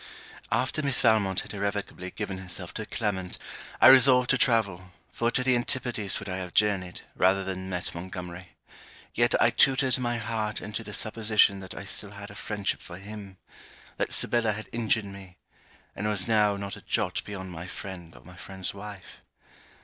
After Miss Valmont had irrevocably given herself to Clement, I resolved to travel, for to the antipodes would I have journeyed, rather than met Montgomery. Yet I tutored my heart into the supposition that I still had a friendship for him, that Sibella had injured me, and was now not a jot beyond my friend, or my friend's wife.